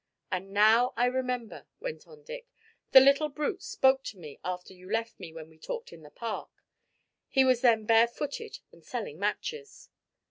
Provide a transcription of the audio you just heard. And now I remember," went on Dick, "the little brute spoke to me after you left me when we talked in the Park. He was then bare footed and selling matches."